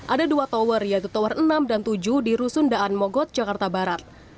ada dua tower yaitu tower enam dan tujuh di rusun daan mogot jakarta barat